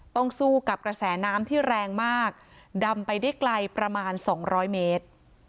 สู้กับกระแสน้ำที่แรงมากดำไปได้ไกลประมาณ๒๐๐เมตร